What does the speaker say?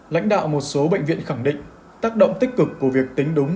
lãnh đạo một số bệnh viện khẳng định tác động tích cực của việc tính đúng